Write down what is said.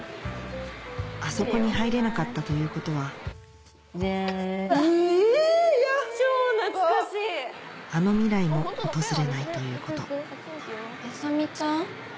あそこに入れなかったということはあの未来も訪れないということ麻美ちゃん？